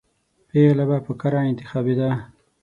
پېغله به په قرعه انتخابېده.